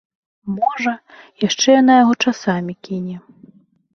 Можа, яшчэ яна яго часамі кіне.